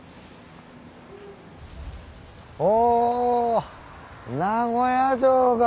お名古屋城が。